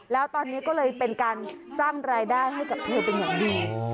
แล้วตอนนี้ก็เลยเป็นการสร้างรายได้ให้กับเธอเป็นอย่างดี